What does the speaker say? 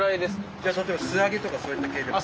じゃあ例えば素揚げとかそういった。